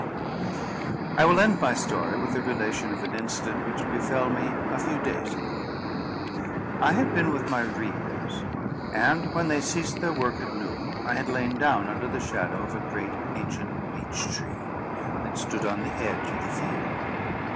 I will end my story with the relation of an incident which befell me a few days ago. I had been with my reapers, and, when they ceased their work at noon, I had lain down under the shadow of a great, ancient beech tree, that stood on the edge of the field.